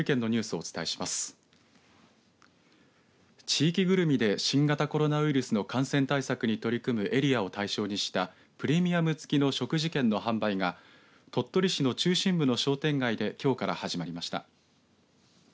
地域ぐるみで新型コロナウイルスの感染対策に取り組むエリアを対象にしたプレミアム付きの食事券の販売が鳥取市の中心部の商店街できょうから始まりました。